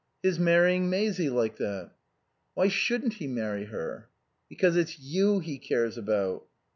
"His marrying Maisie like that." "Why shouldn't he marry her?" "Because it's you he cares about."